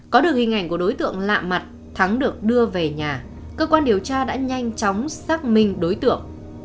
có được hình ảnh của đối tượng lạ mặt thắng được đưa về nhà cơ quan điều tra đã nhanh chóng xác minh đối tượng